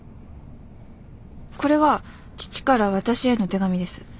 これは父から私への手紙です。